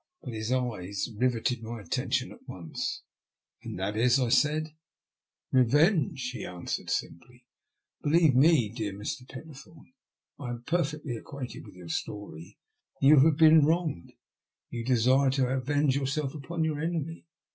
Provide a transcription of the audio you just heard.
But his eyes rivetted my attention at once. " And that is ?" I said. Eevenge," he answered, simply. " Believe me, my dear Mr. Pennethome, I am perfectly acquainted with your story. Tou have been wronged ; you desire to avenge yourself upon your enemy.